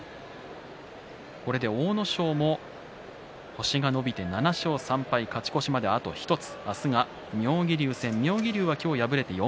阿武咲も星が伸びて７勝３敗、勝ち越しまであと１つ。